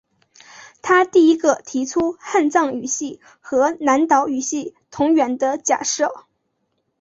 他第一个提出汉藏语系和南岛语系同源的假设。